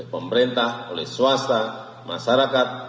pemerintah oleh swasta masyarakat